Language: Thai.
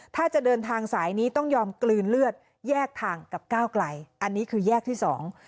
ถ้าจะเดินทางสายนี้ต้องยอมกลืนเลือดแยกทางกับก้าวไกลอันนี้คือแยกที่สอง